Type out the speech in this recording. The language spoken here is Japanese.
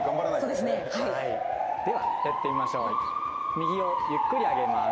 右をゆっくり上げます。